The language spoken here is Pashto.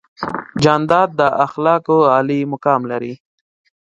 جانداد د اخلاقو عالي مقام لري.